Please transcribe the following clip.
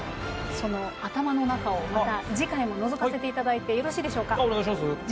その頭の中をまた次回ものぞかせていただいてよろしいでしょうか？